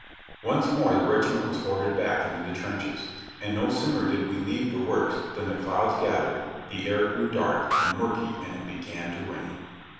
Once more the regiment was ordered back into the trenches, and no sooner did we leave the works than the clouds gathered, the air grew dark and murky and it began to rain.